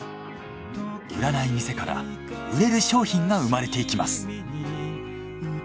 売らない店から売れる商品が生まれていきます。